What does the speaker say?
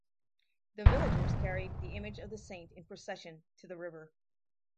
The villagers carried the image of the saint in procession to the river.